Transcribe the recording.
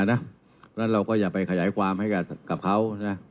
ดังนั้นเราก็อย่าไปขยายความให้กับเขา